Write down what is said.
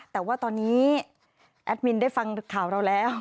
แต่ว่าตอนนี้แอดมินได้ฟังข่าวเราแล้ว